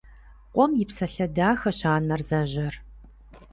Къуэм и псалъэ дахэщ анэр зэжьэр.